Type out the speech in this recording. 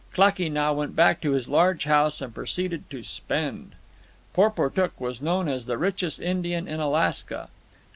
Klakee Nah went back to his large house and proceeded to spend. Porportuk was known as the richest Indian in Alaska.